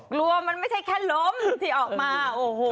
กลัวมันไม่ใช่แค่ลมที่ออกมา